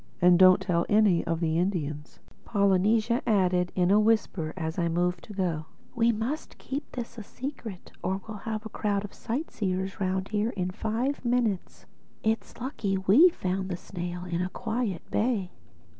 "And don't tell any of the Indians," Polynesia added in a whisper as I moved to go. "We must keep this a secret or we'll have a crowd of sightseers round here in five minutes. It's mighty lucky we found the snail in a quiet bay."